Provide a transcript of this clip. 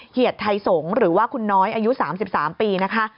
เหยียดไทยสงศ์หรือว่าคุณน้อยอายุ๓๓ปีนะคะ